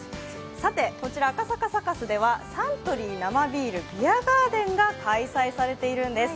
さて、こちら赤坂サカスではサントリー生ビールビアガーデンが開催されているんです。